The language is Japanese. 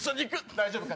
大丈夫か？